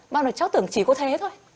bạn ấy cho tưởng chỉ có thế thôi